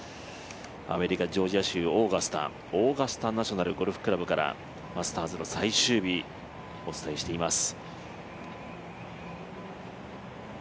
アメリカ・ジョージア州オーガスタオーガスタ・ナショナル・ゴルフクラブからマスターズの最終日お伝えしています。